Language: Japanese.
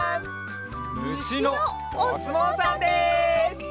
むしのおすもうさんです！